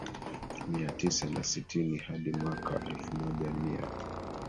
Mia tisa na sitini hadi mwaka wa elfu moja mia